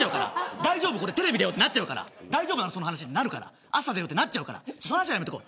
大丈夫これテレビだよってなるから大丈夫なのその話ってなるから朝だよってなっちゃうからその話はやめとこう。